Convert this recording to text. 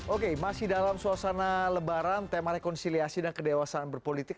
oke masih dalam suasana lebaran tema rekonsiliasi dan kedewasaan berpolitik